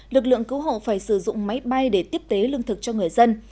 lực lượng cứu hộ phải sử dụng máy bay để tiếp tế lương thực cho người dân